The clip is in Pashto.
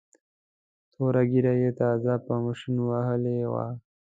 توره ږیره یې تازه په ماشین وهلې وه.